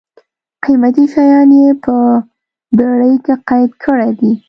قېمتي شیان یې په بېړۍ کې قید کړي دي.